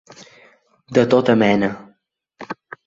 De tota mena.